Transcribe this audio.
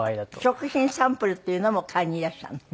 食品サンプルというのも買いにいらっしゃるの？